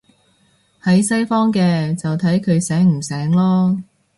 喺西方嘅，就睇佢醒唔醒囉